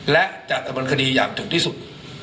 และจะดำเนินคดีอย่างถึงที่สุด